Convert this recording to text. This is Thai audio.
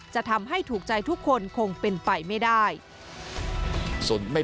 จะทำให้ถูกใจทุกคนคงเป็นไปไม่ได้